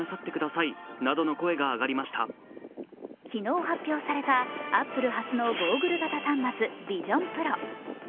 昨日発表されたＡｐｐｌｅ初のゴーグル型端末ＶｉｓｉｏｎＰｒｏ。